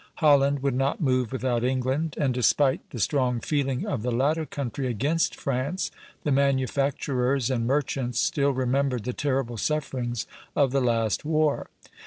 Holland would not move without England, and despite the strong feeling of the latter country against France, the manufacturers and merchants still remembered the terrible sufferings of the last war.